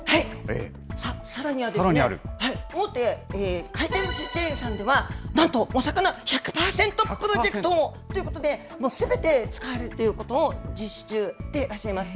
さらには、大手回転ずしチェーンさんでは、なんと、おさかな１００％プロジェクトということで、すべて使えるということを実施中でいらっしゃいます。